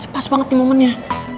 pas banget nih momennya